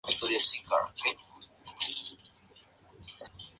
Es el primer cover que hace Cash de una canción del cantante Kris Kristofferson.